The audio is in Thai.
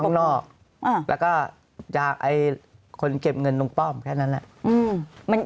ข้างนอกแล้วก็จากคนเก็บเงินลุงป้อมแค่นั้นแหละ